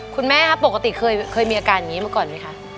คุณแม่ครับปกติเคยมีอาการอย่างนี้มาก่อนไหมคะ